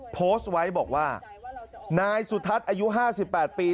โพสต์ไว้บอกว่านายสุทัศน์อายุ๕๘ปี